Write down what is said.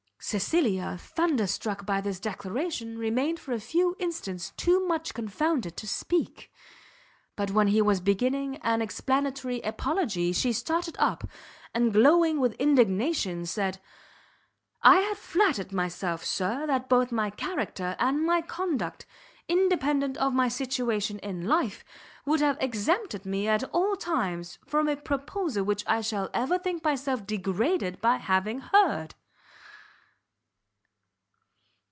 Cecilia, thunderstruck by this declaration, remained for a few instants too much confounded to speak; but when he was beginning an explanatory apology, she started up, and glowing with indignation, said, "I had flattered myself, Sir, that both my character and my conduct, independent of my situation in life, would have exempted me at all times from a proposal which I shall ever think myself degraded by having heard."